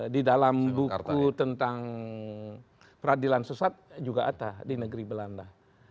di dalam buku tentang peradilan sesat juga ada di negeri belanda